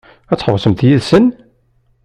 Ad tḥewwsemt yid-sen?